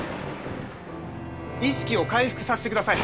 意識を回復さしてください！